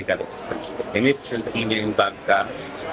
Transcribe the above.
ini penting untuk menjelaskan